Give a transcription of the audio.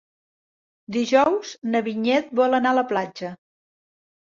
Dijous na Vinyet vol anar a la platja.